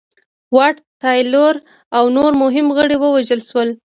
واټ تایلور او نور مهم غړي ووژل شول.